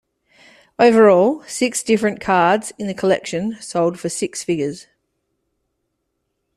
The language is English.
Overall, six different cards in the collection sold for six figures.